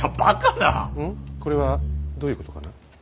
これはどういうことかな。